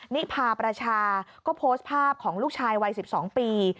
นิพาประชาก็โพสต์ภาพของลูกชายวัย๑๒ปี